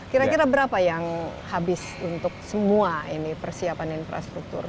kira kira berapa yang habis untuk semua ini persiapan infrastruktur